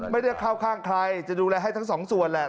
ไม่ได้เข้าข้างใครจะดูแลให้ทั้งสองส่วนแหละ